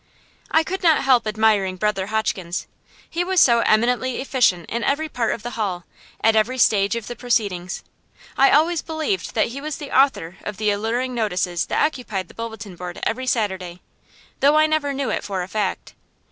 I could not help admiring Brother Hotchkins, he was so eminently efficient in every part of the hall, at every stage of the proceedings. I always believed that he was the author of the alluring notices that occupied the bulletin board every Saturday, though I never knew it for a fact.